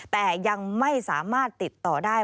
แต่ยังไม่สามารถติดต่อได้